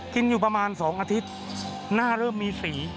กินอยู่ประมาณ๒อาทิตย์หน้าเริ่มมีสี